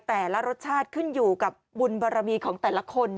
แต่ละรสชาติขึ้นอยู่กับบุญบารมีของแต่ละคน